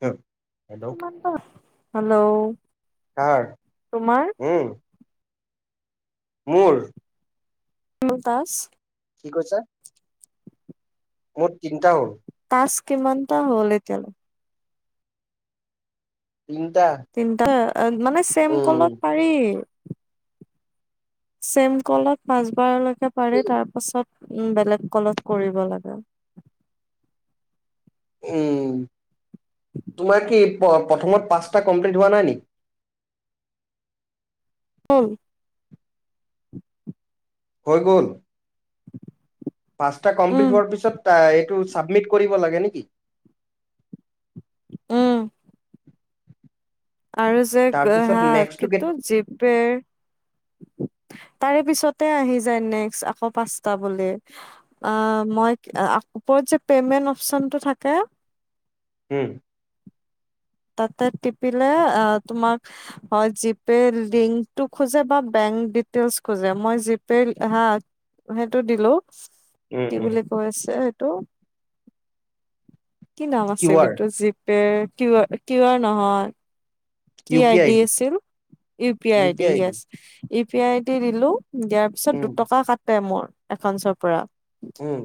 হ! Hello hello কাৰ তোমাৰ উম মোৰ শ তছ কি কৈছে। মোৰ তিনিটা হ'ল। মাছ কিমানটা হ'ল এতিয়ালৈ টা, তিনটা মানে চেম কলত পাৰি। চেম কলত পাছবাৰলৈ পাৰে তাৰ পাছত, উম বেলেগ কলত কৰিব লাগে। উম। তোমাক কি? প্ৰথমত পাঁচটা কমপ্লিট হোৱা নাই নেকি। উম! হৈ গ'ল। পাঁচটা উম কমপ্লিট হোৱাৰ পিছত এইটো পাব্লিক কৰিব লাগে নে কি। উম! আৰু যে, তাৰপিছত হা নেক্সটটো কে কিটোৰ জীপেৰ তাৰ পিছতে আহিছে নেক্সট পাঁচ টা বুলি, উপৰত যে পায়মেন্ত অপচন টো থাকে উম! তাতে টিপিলে তোমাক জিপে লিংকটো খোজে বা বেংক দিতেইলছ খোজে, মই জিপে হা সেইটো দিলো উম কি উম বুলি কৈছে? টো কি নাম কিউ আছিল, আৰ তো জীপে কি কিউআৰ নহয় কি U P I ID D আছিল U P I I D ইএছ। ইউ পি আই ডি দিলোঁ - দিয়াৰ পিছত উম দুটকা কাটে মোৰ একাউন্সৰ পৰা। উম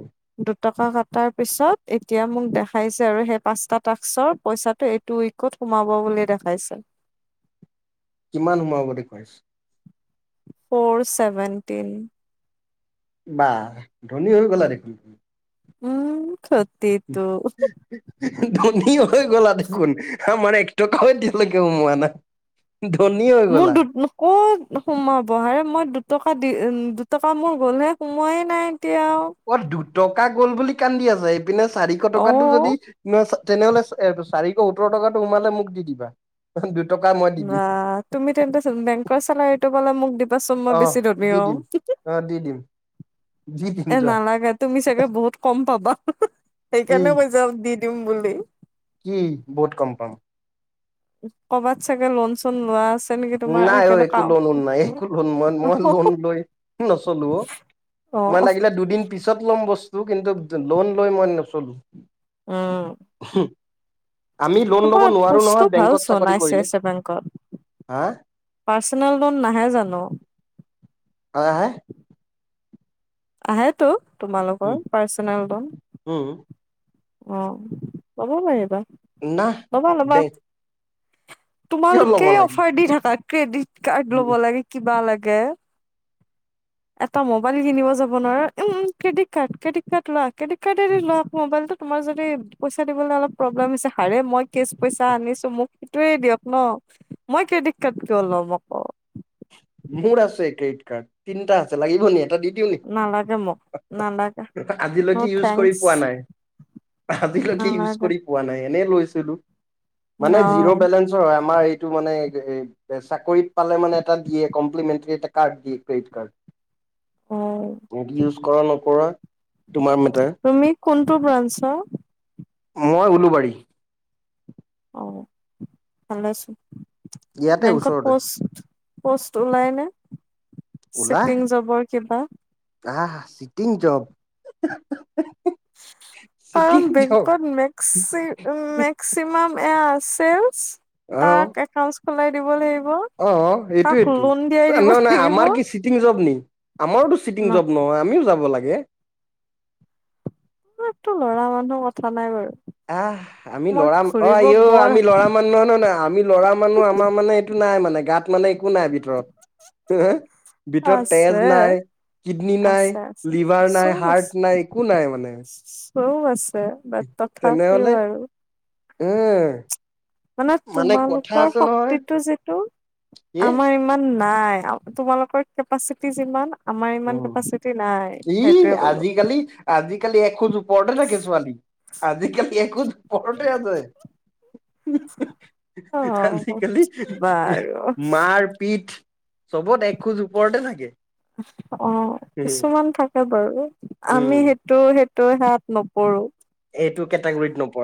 দুটকা কটাৰ পিছত এতিয়া মোক দেখাইছে, আৰু সেই পাঁচটা টাস্কৰ পইচাটো এইটো উইকত সোমাব বুলি দেখাইছে। কিমান সোমাব দেখুৱাইছে? Four seventeen. বা ধনী হৈ গলা দেখোন দেখোন উম ঘটিটো ধনী হৈ গলা দেখোন আমাৰ এক টকাও এতিয়ালৈকে সুমুওৱা নায়। মোৰ কত সোমাব হা, মোৰ দুটকা দি উম দুটকা মোৰ গ'লহে সোমোৱাই নাই। এতিয়া আৰু টকা গ'ল বুলি কান্দি আছে পিনে চাৰিশ অ টকাটো যদি ন তেনেহলে ইয়াৰ চাৰিশ সোতৰ টকাটো সোমালে মোক দি দিবা কাৰণ বা তুমি তেন্তে বেংকৰ চেলাৰী টো‌পালে মোক দি দিবাচোন মই অ বেছি ধনী দি হম‌ দিম অ দি দিম দি দিম এ যোৱা নালাগে তুমি চাগে বহুত কম পাবা। কি সেইকাৰণে কৈছা দি দিম দিম বুলি কি বহুত কম পাম? কৰ'বাত চাগে লোন চোন লোৱা আছে নেকি তোমাৰ নাই অ সেইকাৰণে কা একো লোনো নাই একো লোন মই লোন লৈ নচলো অ' অ মই লাগিলে দুদিন পিছত ল'ম বস্তু কিন্তু লোন লৈ মই নচলো। উম আমি লোন ল'ব তোমাৰ নোৱাৰো নহয় পোষ্টটো ভাল বেংকত চ চাকৰি নাই চি আ কৰিলে এ বেংকত হা পাৰ্চনেল লোন নাহে জানো [unintelligible] আহে টো তোমালোকৰ উম পাৰ্চনেল লোন উম অঁ লব পাৰিবা ন ল'বা ল'বা দে তোমালোকে অফাৰ দি থাকা। কেডি ক ল'ব লাগে কিবা লাগে। [unintelligible] এটা মোবাইল কিনিব যাব নোৱাৰ উম ক্ৰেডিট কাৰ্ড ক্ৰেডিট কাৰ্ড ল ক্ৰেডিট কাৰ্ড দি ল আকৌ মোবাইলটো। তোমাৰ যদি পইচা দিবলৈ অলপ প্ৰব্লেম হৈছে হাৰে মই কেচ পইচা আনিছো মুখ [inaudible] ন মই ক্ৰেডিট কাৰ্ড কিয় লম আকৌ। মোৰ আছে ক্ৰেডিট [unintelligible] তিনিটা আছে লাগিব ন [unintelligible] দি দিওঁ নালাগে মোক নেকি নালাগে [unintelligible] ন' আজিলৈকে ইউজ কৰি থেংকচ পোৱা নাই আজিলৈকে ইউজ নালাগে কৰি পোৱা নাই। এনেই লৈছিলো মানে অ জিৰ' বেলেঞ্চৰ হয় আমাৰ এইটো মানে এ এ চাকৰিত পালে মানে এটা দিয়ে। কম্প্লিমেটাৰী এটা কাৰ্ড দি ক্ৰেডিট কাৰ্ড। অ [unintelligible] [unintelligible] নপৰা তুমি কোনটো ব্ৰাঞ্চৰ? মই উওলোবাৰী। [inaudible] ও ভালে আছো। ইয়াতে বেংকত ওচৰতে পষ্ট পষ্ট অলাইন ন ওলা চিটিং জবৰ কিবা। আহ চিটিং জব উহঃ উহঃ কাৰণ বেংকত মেক্সি মেক্সিমাম এয়া [unintelligible] কাক [unintelligible] সলাই দিব লাগিব। অ' অ' কাক সেইটোয়েতো লোন দিয়াই দিব নহয় নাই লাগিব আমাৰ কি চিটিং জব নি আমাৰোতো চিটিং জব নহয় আমিও [unintelligible] [unintelligible] লাগে। [unintelligible] লৰা মানুহ কথা নাই বাৰু। আহ আমি মই লৰা ঘুৰিব আইঔ বৰ আমি লৰা মানুহ নহয় ন [unintelligible] আমি লৰা মানুহ আমাৰ মানে এইটো নাই মানে গাত মানে একো নাই ভিতৰত [unintelligible] ভিতৰত তেজ আছে নাই কিডনী নাই আছে আছে লিভাৰ নাই চব আছে হাৰ্ট নাই একো নাই মানে চব আছে বাট তথাপিও তেনেহলে আৰু উম মানে কথা তোমালোকৰ আছে নহয় শক্তিটো যিটো এ আমাৰ ইমান নাই তোমালোকৰ কেপাচিটি যিমান আমাৰ ইমান উম কেপাচিটি নাই ই সেইটোৱে ক'লো আজিকালি আজি কালি এখোজ ওপৰতে থাকে ছোৱালী আজিকালি এখোজ ওপৰতে আছে অ', আজিকালি বাৰু মাৰ পিট চবত এক খোজ ওপৰতে থাকে অ কিছুমান থাকে বাৰু উম, আমি সেইটো সেই [unintelligible] [unintelligible] নপৰো এইটো কেটেগৰীত নপ-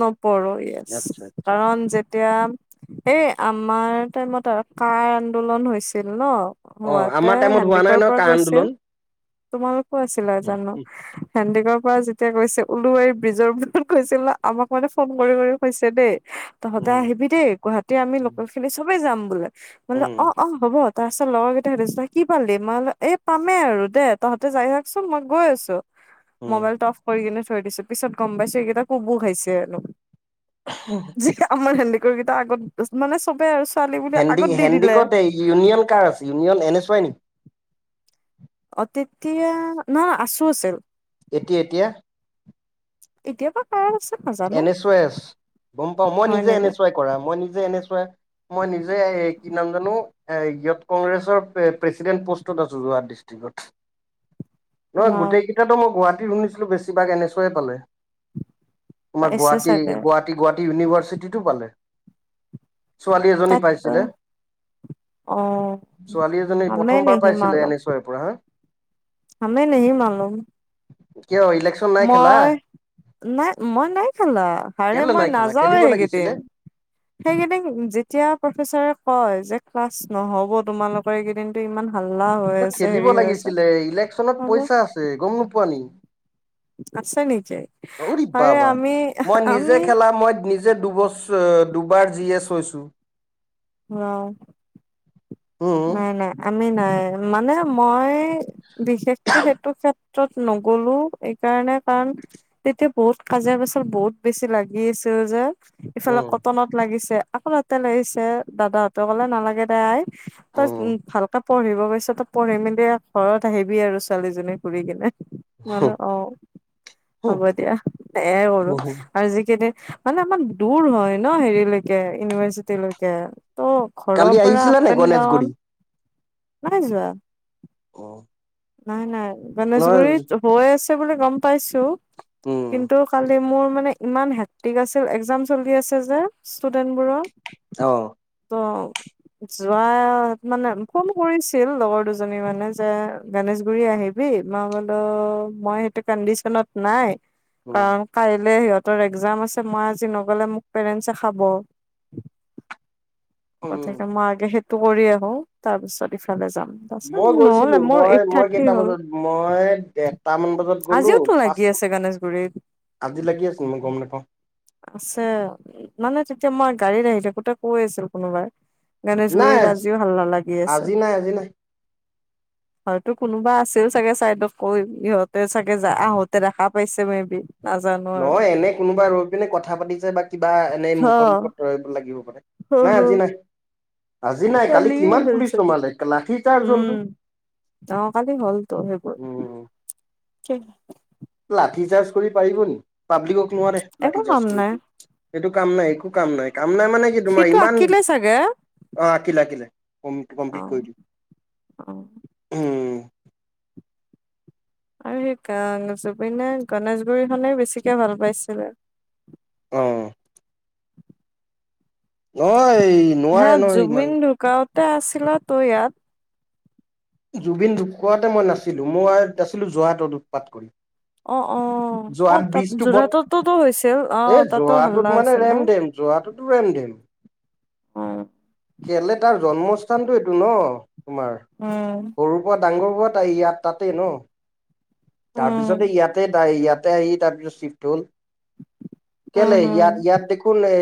নপৰো ইয়েছ আচ্ছা। কাৰণ যেতিয়া এই আমাৰ টাইমত আৰু কা ৰ আন্দোলন হৈছিল ন অ' হোৱাতে আমাৰ টাইমত হোৱা নাই হেণ্ডিকৰ নহয় পৰা কা গৈছিল আন্দোলন। তোমালোকো আছিলা জানো হেণ্ডিক ত যেতিয়া কৈছে ওলুৱাৰী ব্ৰীজৰ [unintelligible] কৈছিলা আমাক মানে ফোন কৰি কৰি কৈছে দেই তহঁতে উম, আহিবি দেই গুৱাহাটী আমি লোকেল খিনি চবে যাম [unintelligible] অ, উম, অ, হ'ব। তাৰপিছত লগৰ কেইটাই সুধিছো কি পালি, মই এই পামেই আৰু দে তহঁতে যাই থাকচোন মই গৈ আছো। উম। মোবাইলটো অফ কৰি কিনে থৈ দিছো, পিছত গ'ম পাইছো সেইকেইটা কু [unintelligible] [unintelligible] [unintelligible] কেইটা আগত মানে চবে আৰু ছোৱালী বুলি হেণ্ডি আগত দি দিলে হেণ্ডিকত ইউনিয়ন কাৰ আছে ইউনিয়ন এনচ ৱাই নেকি। অ, তেতিয়া, নহ আছো আছিল। এতিয়া এতিয়া। এতিয়াৰ পৰা [unintelligible] এনেছুৱাই আছ, গম পাওঁ মই হয় নিজে নেকি এনেছুৱাই কৰা মই নিজে এনেছুৱাই মই নিজে এই কি নাম জানো, এ ইয়ত কংগ্ৰেছৰ প্ৰেচিডেন্ট পোষ্টত আছো যোৰহাট ডিষ্ট্ৰিক্টত। নহয় অ গোটেইকেইটাতো মই গুৱাহাটী [unintelligible] বেছিভাগ এনেছুৱাই পালে। তোমাৰ পাইছে গুৱাহাটী, চাগে গুৱাহাটী গুৱাহাটী ইউনিভাৰ্চ চিটিটো পালে। ছোৱালী এজনী তাত পাইছিলে। অ ছোৱালী এজনী হমে প্ৰথমবাৰ নেহি পাইছিলে মালুম এনেছুৱাই পৰা হা। [unintelligible] কিয় ইলেকশ্যন নাই খেলা মই, নাই ম মই নাই খেলা, হাৰে কেলে মই নাই খেলা নাযাওঁৱে খেলিব লাগিছিলে সেইকেইদিন, সেইকেইদিন যেতিয়া প্ৰফেচাৰে কয় যে ক্লাছ নহ'ব তোমালোকৰ এইকেইদিনটো ইমান হাল্লা হৈ আছে খেলিব হেৰি হৈ আছে লাগিছিলে ইলেকচনত হ'ব পইচা আছে গম নোপোৱা নি। আছে নিজেই, অৰি হাৰে বাবা আমি আমি যে দুবছ দুবাৰ জি এছ হৈছো। অ। উম নাই নাই আ আমি নাই, মানে মই বিশেষকৈ সেইটো সেত্রত ক্ৰত নগ'লো এইকাৰণে কাৰণ, তেতিয়া বহুত কাজিয়া প্ৰেচাৰ বহুত বেছি লাগি আছিল যে। ইফালে উম কটনত লাগিছে। আকৌ তাতে লাগিছে, দাদাহঁতে ক'লে নালাগে দেই আই। তই উম উ ভালকে পঢ়িব গৈছো তই পঢ়ি মেলি ঘৰত আহিবি আৰু ছোৱালীজনী ঘুৰি কিনে। [unintelligible] অ, উম। হ'ব দিয়া। সেয়াই কৰো, আৰু যিকেইদিন মানে আমাৰ দূৰ হয় ন হেৰিলৈকে ইউনিভাৰ্চিটিলৈকে। ত' কালি আহিছিলানে গণেশগুৰি, নাইজোৱা অহ! নাই নাই, গণেশগুৰিত হৈ আছে। ইটো বুলি গম পাইছো। উম কিন্তু কালি মোৰ, মানে ইমান হেক্টিক আছিল, একজাম চলি আচিল যে ষ্টুডেন্ট বোৰৰ। অঁ অঁ যোৱাত মানে ফোন কৰিছিল লগৰ দুজনী মানে, যে গণেশগুৰি আহিবি মই বলো মই এইটো কণ্ডিশনত নাই উম অঁ কাইলে হিয়ত, তৰ একজাম আছে মই আজি নগ'লে মোক পেৰেন্তচে খাব। উম গতিকে মই আগেহে [unintelligible] অ তাৰ পিছত ইফালে যাম। তাৰপিছত মই গৈছিলো নহ'লে মোৰ মই এইট মই থাৰ্টি কেইটা হ'ল বজাত মই দেৰটামান বজাত গলো, আজিওতো লাগি পাঁচটা আছে গণেশগুৰিত আজি লাগি আছিল মই গম নাপাওঁ। আছে মানে তেতিয়া মই গাড়ীত আহি থাকোতে কৈ আছিল কোনোবাই। গণেশগুৰি নাই আজ আজি কিয় ভাল নালাগি আছে আজি নাই আজি নাই হয়তো কোনোবা আছিল চাগে ছাইদত কৈ ইহঁত দে চাগে জা আহোতে দেখা পাইছে মে বি নাজানো আৰু নহয় এনে কোনোবাই ৰৈ পিনে কথা পাতিছে বা কিবা এনেই হ মুখত মুখত ধৰিব লাগিব নাই আজি নাই আজি নাই কালি কালিয়ে কিমান গ'ল পুলিচ ছাগে নমালে লাঠি চাৰ্জ হ'লতো উম অহা কালি হলটো সেইবোৰ উম [unintelligible] লাঠি চাৰ্জ কৰি পাৰিব নেকি পাব্লিকক নোৱাৰে একো লাঠি কাম চাৰ্জ নাই কৰিব সেইটো কাম নাই একো কাম নাই কাম নাই মানে কি তোমাৰ সিটো ইমান আঁকিলে চাগে অ‌ঁ আকিলে আকিলে উম অ কমপ্লিট কৰিলো অ উম আৰু সেই কাৰণে জুবিনে গণেশগুৰিখনেই বেছিকে ভাল পাইছিলে অ নহয় এই নোৱাৰে নহয় ইমান তে আছিলাতো ইয়াত জুবিন ঢুকাওতে মই নাছিলোঁ মই আছিলো যোৰহাটত উৎপাত কৰি অ অ অ যোৰহাত তাত ব্ৰীজটো বত যোৰহাটতোতো হৈছিল অ এই তাতো হাল্লা যোৰহাটত মানে হৈছিল ন ৰেমডেম যোৰহাটতো ৰেমডেম অ সেইফালে তাৰ জন্ম স্থানটো এইটো ন তোমাৰ, উম সৰুৰ পৰা ডাঙৰ হোৱা তাই ইয়াত তাতেই ন'? তাৰপিছতে উম ইয়াতে তাই ইয়াত তাই এৰি তাৰপিছত চিফ্ট হ'ল। কেলেই হম ইয়াত, ইয়াত দেখোন এ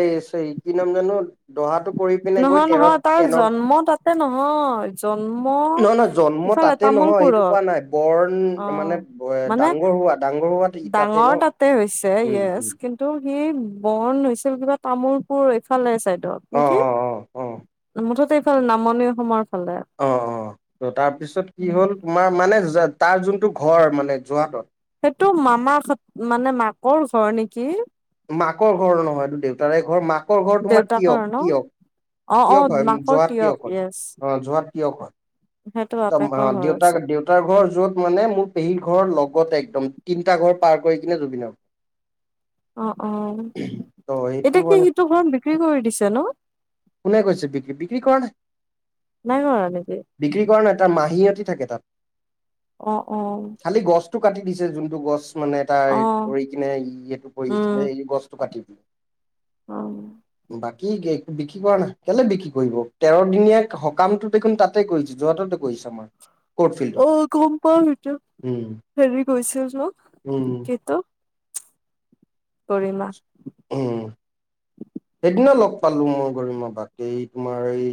কি নাম জানো? দহাটোক নহয়, নহয়। তাৰ জন্ম তাতে নহয়, জন্ম নহয় নহয় জন্ম ইফালে তাতে নহয় সেইটো কোৱা তামূলপুৰত। নাই বৰ্ণ মানে অ'! মানে ডাঙৰ হোৱা, ডাঙৰ হোৱাত ডাঙৰ তাতে হৈছে। য়েচ কিন্তু এই বৰ্ণ হৈছিল কিবা তামোলপুৰ এইফালে চাইড। তাত অ নেকি? অ অ অ মুঠতে নামনি অসমৰ ফালে অ'! অ'! ত' তাৰপিছত কি হ'ল তোমাৰ মানে তাৰ যোনটো ঘৰ মানে, যোৰহাটত। সেইটো মামাৰ মানে মাকৰ ঘৰ নেকি! মাকৰ ঘৰ নহয়, এইটো দেউতাৰে ঘৰ। মাক ঘৰ তোমাৰ দেউতাকৰ তিয়ঁক, ন তিয়ঁক। অ অ তিয়ঁকত, মাকৰ যোৰহাট তিয়ক তিয়ঁকত। য়েছ অ'! যোৰহাট তিয়ঁকত। সেইটো বাপেকৰ [unintelligible] ঘৰ দেউতাক আছে দেউতাৰ ঘৰ য'ত মানে, মোৰ পেহীৰ ঘৰৰ লগতে একদম তিনিটা ঘৰ পাৰ কৰি কিনে জুবিনৰ অ'! অঁ! ত সেইটো এতিয়া কি মানে সিটো ঘৰ বিক্ৰী কৰি দিছে ন'? কোনে কৈছে বিক্ৰী বিক্ৰী কৰা নাই নাই কৰা নেকি বিক্ৰী কৰা নাই তাৰ মাহীয়েত কি থাকে তাত? অ'! অ'! খালি গছটো কাটি দিছে। যোনটো গছ। মানে, তাৰ অ ধৰি কিনে [unintelligible] কৰি আছিলে উম এই বস্তু পাতি ব অ'! বাকী বিক্ৰী কৰা নাই। কেলে বিক্ৰী কৰিব তেৰ দিনীয়া সকামটো দেখোন তাতে কৰিছে। যোৰহাটতে কৰিছে আমাৰ। কৰ্ট ফিল্ডত অ'! গম পাওঁ সইটো। উম হেৰি গৈছিল ন'? উম গীতো গৰিমা। উম, সেইদিনা লগ পালোঁ মই গৰিমা বাক। সেই তোমাৰ এই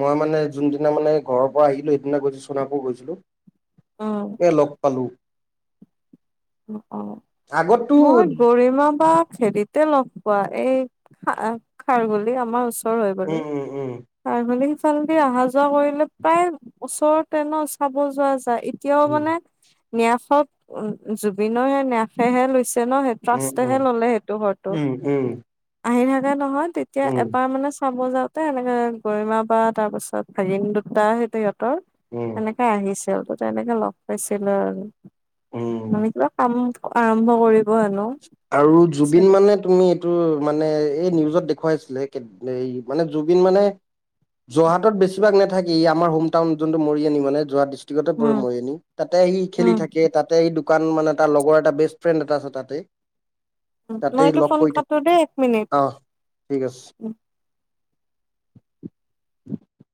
মই মানে, যোনদিনা মানে, ঘৰৰ পৰা আহিলোঁ সেইদিনা গৈছো সোণাপুৰ গৈছিলোঁ। এ লগ পালো অ অ আগতো মই গৰিমা বা হেৰিতে লগ পোৱা এই খা খাৰ গুলি আমাৰ ওচৰত [unintelligible] হয় [unintelligible] বাৰু উম, উম, তাৰফ [unintelligible] সেইফাৰেদি অহা যোৱা কৰিলে প্ৰায় ওচৰতে ন চাব যোৱা হয় এতিয়াও উম, মানে ন্যাসত জুবিনৰ সে নফেহে লৈছে জুবিনৰ সেই উম, তষ্টহে উম, ললে সেইটো ঘৰটো উম, উম, উম, আহি থাকে নহয় তেতিয়া উম, এবাৰ মানে চাব যাওঁতে এনেকে গৰিমা বা তাৰ পিছত ভাগিন দুটা উম, এনেকাই আহিছো ত তেনেকে লগ পাইছিলো আৰু উম। নমি কিবা কাম আৰম্ভ কৰিব হেনো আৰু জুবিন চাগে। মানে তুমি এইটো মানে এই নিউজত দেখুৱাইছিলে এই মানে জুবিন মানে যোৰহাটত বেছিভাগ নাথাকি আমাৰ হোম টাউন যোনটো মৰিয়নি মানে যোৰহাট যোৰহাটত পৰে উম মৰিয়নি তাতে সি খেলি উম থাকে তাতে সি দোকান মানে তাৰ লগৰ এটা বেষ্ট ফ্ৰেণ্ড এটা আছে তাতে উ তাতে সি মইটো লগ ফোন কৰি কটো দেই এক মিনিট অ ঠিক আছে উ